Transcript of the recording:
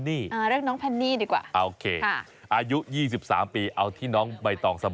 นายสุธิรักอุปรานะครับ